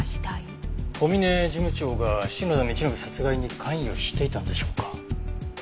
小嶺事務長が篠田道信殺害に関与していたんでしょうか？